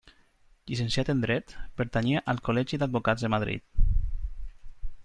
Llicenciat en dret, pertanyia al Col·legi d'Advocats de Madrid.